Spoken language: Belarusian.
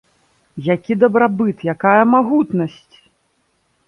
Які дабрабыт, якая магутнасць?!